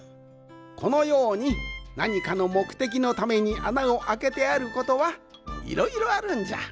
このようになにかのもくてきのためにあなをあけてあることはいろいろあるんじゃ。